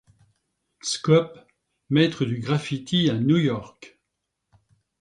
Scopes: Maître du graffiti à New York.